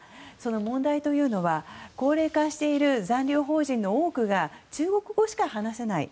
問題というのは高齢化している残留邦人の多くが中国語しか話せない。